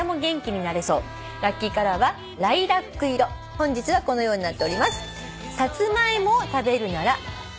本日はこのようになっております。